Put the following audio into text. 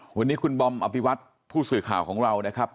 วันนี้คุณบอมอภิวัตผู้สื่อข่าวของเรานะครับ